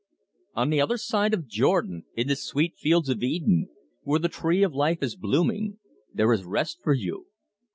"On the other side of Jordan, In the sweet fields of Eden, Where the tree of life is blooming, There is rest for you!"